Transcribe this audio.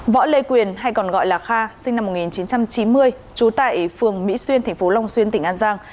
võ lê quyền hay còn gọi là kha sinh năm một nghìn chín trăm chín mươi trú tại phường mỹ xuyên tp long xuyên tỉnh an giang